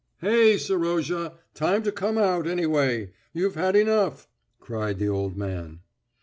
"Hey, Serozha, time to come out, anyway. You've had enough," cried the old man.